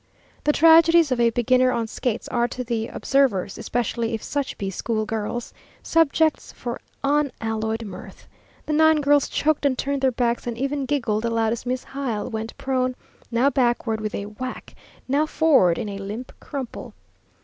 The tragedies of a beginner on skates are to the observers, especially if such be school girls, subjects for unalloyed mirth. The nine girls choked and turned their backs and even giggled aloud as Miss Hyle went prone, now backward with a whack, now forward in a limp crumple.